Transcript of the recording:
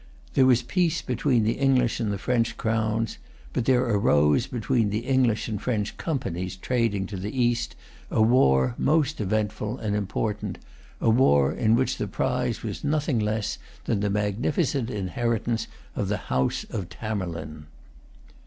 There was peace between the English and French Crowns; but there arose between the English and French Companies trading to the East a war most eventful and important, a war in which the prize was nothing less than the magnificent inheritance of the house of Tamerlane.